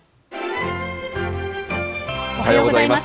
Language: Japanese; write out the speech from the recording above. おはようございます。